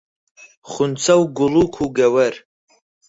خونچە و گوڵووک و گەوەر